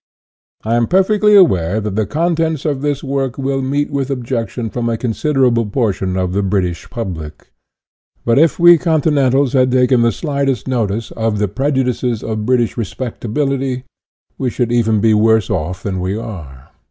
I am perfectly aware that the contents of this work will meet with objection from a consider able portion of the British public. But if we Continentals had taken the slightest notice of the prejudices of British " respectability," we should be even worse off than we are.